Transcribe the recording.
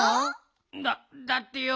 だっだってよ